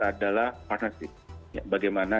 adalah partnership bagaimana